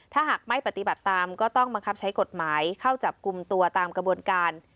ถ้าหากไม่ปฏิบัติตามก็ต้องบังคับใช้กฎหมายเข้าจับกลุ่มตัวตามกระบวนการ